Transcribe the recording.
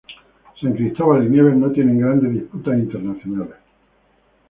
San Cristóbal y Nieves no tiene grandes disputas internacionales.